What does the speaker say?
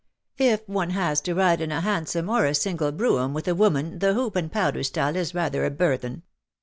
If one has to ride in a hansom or a single brougham with a woman the hoop and powder style is rather a burthen.